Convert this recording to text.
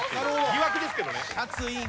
疑惑ですけどね。